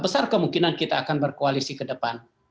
besar kemungkinan kita akan berkoalisi ke depan